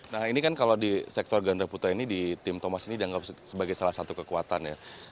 nah ini kan kalau di sektor ganda putra ini di tim thomas ini dianggap sebagai salah satu kekuatan ya